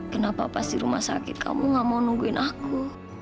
kenapa pas di rumah sakit kamu gak mau nungguin aku